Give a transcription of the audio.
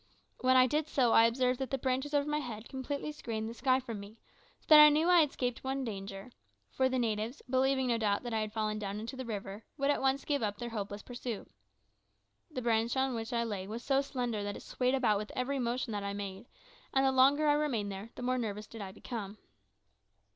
When I did so, I observed that the branches over my head completely screened the sky from me, so that I knew I had escaped one danger; for the natives, believing, no doubt, that I had fallen down into the river, would at once give up their hopeless pursuit. The branch on which I lay was so slender that it swayed about with every motion that I made, and the longer I remained there the more nervous did I become.